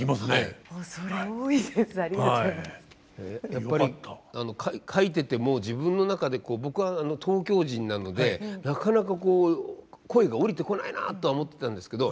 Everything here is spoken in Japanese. やっぱり書いてても自分の中で僕は東京人なのでなかなか声が降りてこないなとは思ってたんですけど